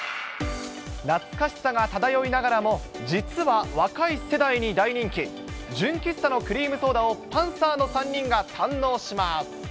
懐かしさが漂いながらも、実は若い世代に大人気、純喫茶のクリームソーダをパンサーの３人が堪能します。